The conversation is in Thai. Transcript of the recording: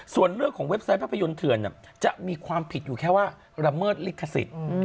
ส่วนเรื่องของเว็บไซต์ภาพยนตร์เถื่อนจะมีความผิดอยู่แค่ว่าระเมิดลิขสิทธิ์